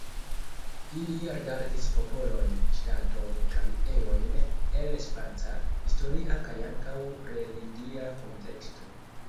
Ili rigardis popolojn, ŝtatojn kaj ejojn el spaca, historia kaj ankaŭ religia kunteksto.